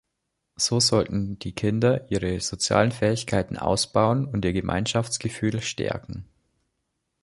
So sollten die Kinder ihre sozialen Fähigkeiten ausbauen und ihr Gemeinschaftsgefühl stärken.